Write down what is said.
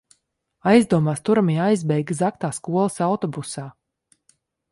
Aizdomās turamie aizbēga zagtā skolas autobusā.